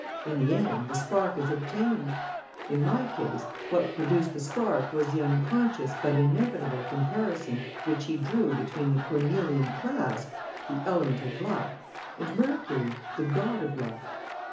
In the end, the spark is obtained. In my case, what produced the spark was the unconscious but inevitable comparison which he drew between the cornelian clasp, the element of luck, and Mercury, the god of luck.